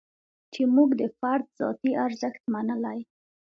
چې موږ د فرد ذاتي ارزښت منلی.